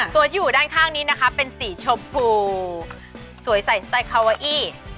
ตัวที่อยู่ด้านข้างนี้นะคะเป็นสีชมพูสวยใส่สไตล์คาวาอี้